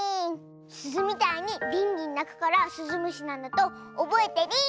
すずみたいにリンリンなくからスズムシなんだとおぼえてリン！